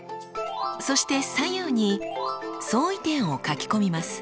そして左右に「相違点」を書き込みます。